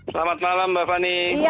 selamat malam mbak fani